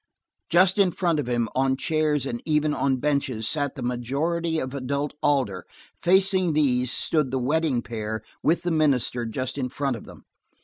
Just in front of him, on chairs and even on benches, sat the majority of adult Alder, facing these stood the wedding pair with the minister just in front of them.